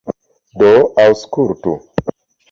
Do aŭskultu.